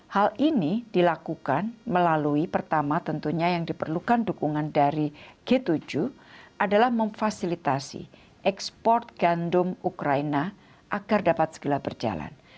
hal ini dilakukan melalui pertama tentunya yang diperlukan dukungan dari g tujuh adalah memfasilitasi ekspor gandum ukraina agar dapat segala berjalan